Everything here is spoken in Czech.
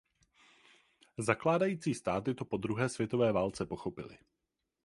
Zakládající státy to po druhé světové válce pochopily.